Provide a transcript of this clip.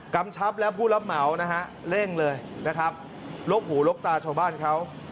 กำชับและผู้รับเหมาเร่งเลยลกหูลกตาชาวบ้านเขา